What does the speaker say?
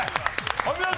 お見事！